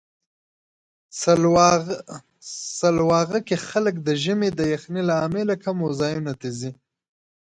سلواغه کې خلک د ژمي د یخنۍ له امله کمو ځایونو ته ځي.